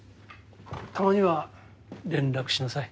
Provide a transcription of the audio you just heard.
たまには連絡しなさい。